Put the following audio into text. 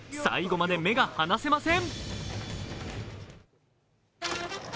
最後まで目が離せません。